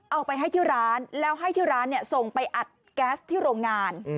เอาไปให้ที่ร้านแล้วให้ที่ร้านส่งไปอัดแก๊สที่โรงงาน